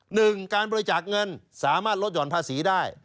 หนึ่งการบริจาคเงินสามารถลดห่อนภาษีได้